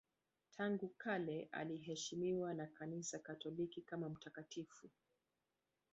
Tangu kale anaheshimiwa na Kanisa Katoliki kama mtakatifu.